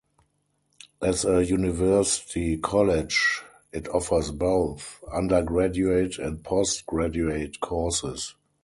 As a university college, it offers both undergraduate and postgraduate courses.